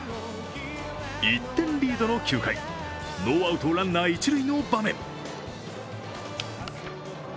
１点リードの９回、ノーアウト・ランナー一塁の場面